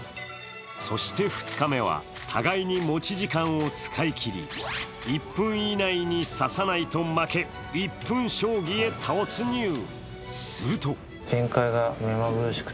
そして２日目は互いに持ち時間を使い切り、１分以内に指さないと負け、１分将棋へ突入。